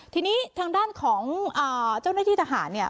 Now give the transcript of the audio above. ทีนี้ทางด้านของเจ้าหน้าที่ทหารเนี่ย